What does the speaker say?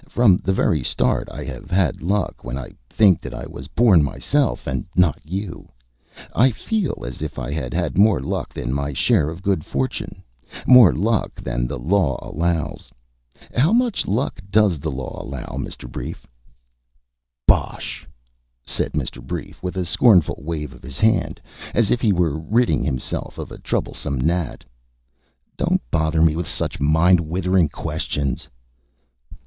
From the very start I have had luck. When I think that I was born myself, and not you, I feel as if I had had more than my share of good fortune more luck than the law allows. How much luck does the law allow, Mr. Brief?" "Bosh!" said Mr. Brief, with a scornful wave of his hand, as if he were ridding himself of a troublesome gnat. "Don't bother me with such mind withering questions."